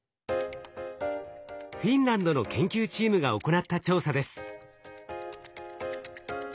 フィンランドの研究チームが行った調査です。